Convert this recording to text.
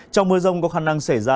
trong mưa rông có khả năng xảy ra